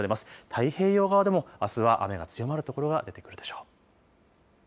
太平洋側でもあすは雨が強まる所が出てくるでしょう。